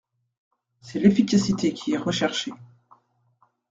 C’est l’efficacité qui est recherchée.